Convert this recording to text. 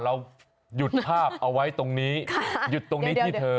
เราหยุดภาพเอาไว้ตรงนี้หยุดตรงนี้ที่เธอ